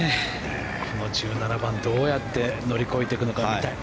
この１７番どうやって乗り越えていくのか